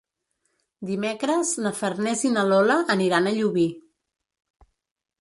Dimecres na Farners i na Lola aniran a Llubí.